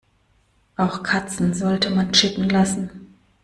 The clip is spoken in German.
Auch Katzen sollte man chippen lassen.